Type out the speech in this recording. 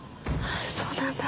そうなんだ。